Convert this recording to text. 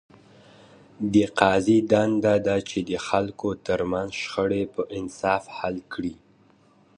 د قاضي دنده ده، چي د خلکو ترمنځ شخړي په انصاف حل کړي.